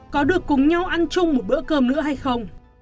có được cùng nhau ăn chung một bữa cơm nữa hay không